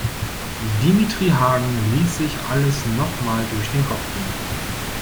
Dimitri Hagen ließ sich alles noch mal durch den Kopf gehen.